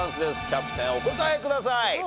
キャプテンお答えください。